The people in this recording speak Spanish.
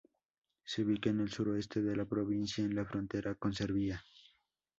Se ubica en el suroeste de la provincia, en la frontera con Serbia.